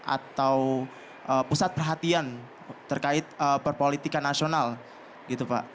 atau pusat perhatian terkait perpolitikan nasional gitu pak